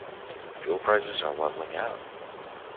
Fuel prices are leveling out.